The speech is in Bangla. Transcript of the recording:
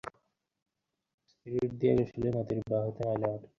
স্পিরিট দিয়া ঘসিলে মতির বাহুতে ময়লা ওঠে।